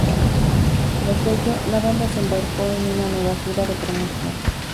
Tras ello, la banda se embarcó en una nueva gira de promoción.